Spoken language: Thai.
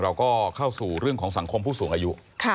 เราก็เข้าสู่เรื่องของสังคมผู้สูงอายุ